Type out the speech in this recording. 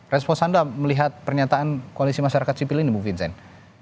respons anda melihat pernyataan koalisi masyarakat sipil ini bu vincent